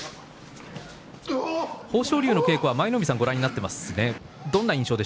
豊昇龍の稽古は舞の海さんもご覧になりましたね。